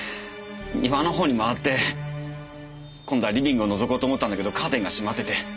庭の方に回って今度はリビングをのぞこうと思ったんだけどカーテンが閉まってて。